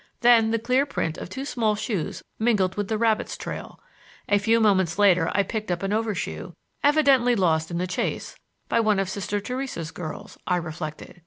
Then the clear print of two small shoes mingled with the rabbit's trail. A few moments later I picked up an overshoe, evidently lost in the chase by one of Sister Theresa's girls, I reflected.